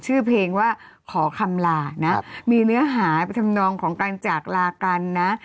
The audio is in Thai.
ชื่อเพลงว่าขอคำลานะมีเนื้อหาไปทำนองของการจากลากันนะ